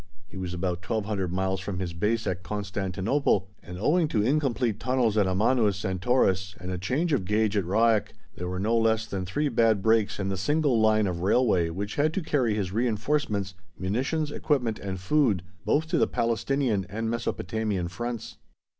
He was about 1,200 miles from his base at Constantinople, and, owing to incomplete tunnels at Amanus and Taurus and a change of gauge at Ryak, there were no less than three bad breaks in the single line of railway which had to carry his reinforcements, munitions, equipment, and food both to the Palestinian and Mesopotamian fronts.